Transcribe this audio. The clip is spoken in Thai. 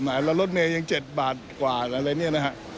แล้วรถเมย์ยัง๗บาทกว่าอะไรอย่างนี้นะคะ